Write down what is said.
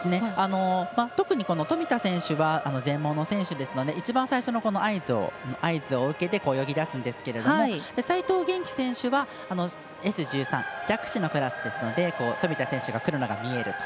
特に富田選手は全盲の選手ですので一番最初の合図を受けて泳ぎだすんですけど齋藤元希選手はＳ１３弱視のクラスですので富田選手がくるのが見えると。